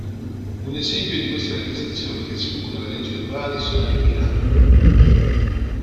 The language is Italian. Un esempio di queste manifestazioni che sfuggono alle leggi naturali sono i miracoli.